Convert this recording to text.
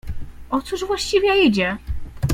— O cóż właściwie idzie?